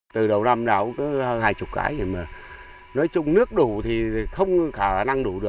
từ đầu năm nào có hai mươi cái nói chung nước đủ thì không khả năng đủ